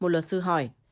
một luật sư hỏi